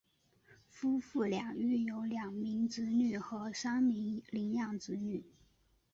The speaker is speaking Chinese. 夫妇俩育有两名子女和三名领养子女。